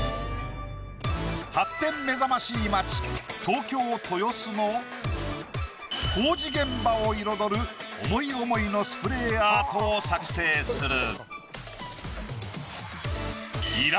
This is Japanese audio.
発展目覚ましい街東京・豊洲の工事現場を彩る思い思いのスプレーアートを作製する。